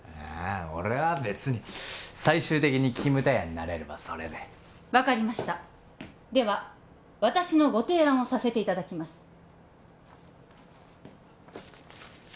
いや俺は別に最終的にキムタヤになれればそれで分かりましたでは私のご提案をさせていただきます